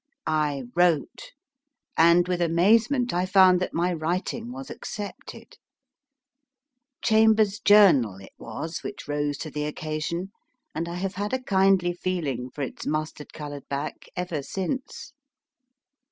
I wrote, and with amazement I found that my writing was accepted. CJiainbers s Journal it was which rose to the occasion, and I have had a kindly feeling for its mustard coloured back ever since.